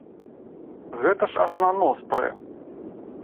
Гэта ж аж на нос прэ!